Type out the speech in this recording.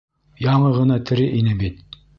Яңы ғына тере ине бит!